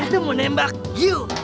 kau itu mau nembak you